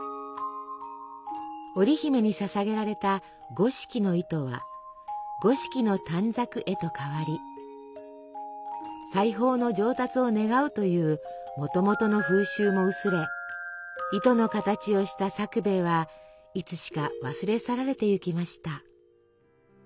織姫に捧げられた「五色の糸」は「五色の短冊」へと変わり裁縫の上達を願うというもともとの風習も薄れ糸の形をしたさくべいはいつしか忘れ去られてゆきました。